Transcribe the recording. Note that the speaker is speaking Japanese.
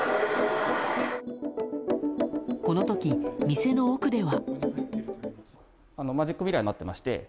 この時、店の奥では。